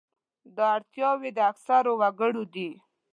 دا اړتیاوې د اکثرو وګړو دي.